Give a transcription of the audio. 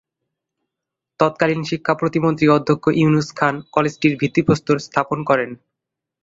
তৎকালীন শিক্ষা প্রতিমন্ত্রী অধ্যক্ষ ইউনুস খান কলেজটির ভিত্তিপ্রস্তর স্থাপন করেন।